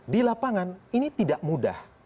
di lapangan ini tidak mudah